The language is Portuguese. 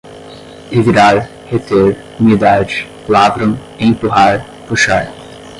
revirar, reter, umidade, lavram, empurrar, puxar